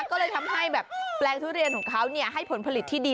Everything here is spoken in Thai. ก็เลยทำให้แบบแปลงทุเรียนของเขาให้ผลผลิตที่ดี